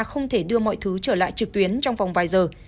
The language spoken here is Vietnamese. không thể đưa mọi thứ trở lại trực tuyến trong vòng vài giờ